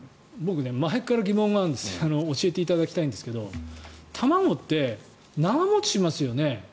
前から疑問があるので教えていただきたいんですが卵って長持ちしますよね？